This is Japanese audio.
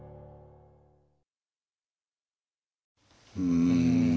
うん。